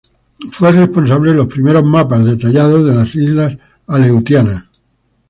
Fue el responsable de los primeros mapas detallados de las islas Aleutianas.